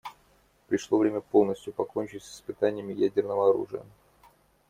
Пришло время полностью покончить с испытаниями ядерного оружия.